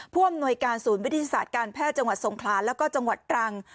ผู้อำนวยการศูนย์วิทยาศาสตร์การแพทย์จังหวัดสงขลาแล้วก็จังหวัดตรัง